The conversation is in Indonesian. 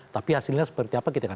tapi hasilnya seperti apa kita gak tahu